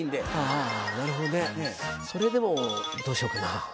あぁなるほどね。それでもどうしようかな。